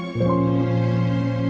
kau mau ngapain